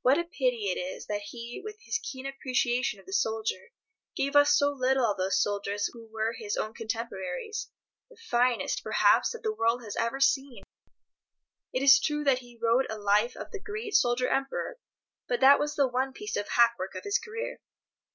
What a pity it is that he, with his keen appreciation of the soldier, gave us so little of those soldiers who were his own contemporaries—the finest, perhaps, that the world has ever seen! It is true that he wrote a life of the great Soldier Emperor, but that was the one piece of hackwork of his career.